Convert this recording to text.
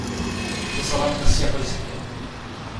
Teẓram qessiḥ uzekka.